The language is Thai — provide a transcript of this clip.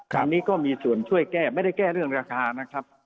อันนี้ก็มีส่วนช่วยแก้ไม่ได้แก้เรื่องราคานะครับ